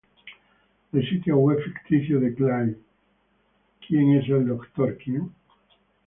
El sitio web ficticio de Clive, "Who is Doctor Who?